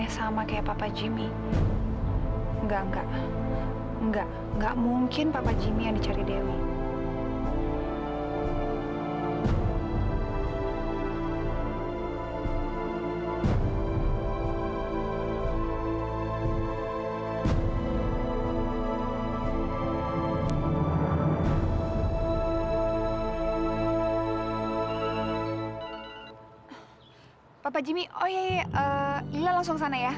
sampai jumpa di video selanjutnya